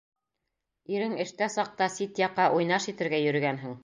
Ирең эштә саҡта сит яҡҡа уйнаш итергә йөрөгәнһең!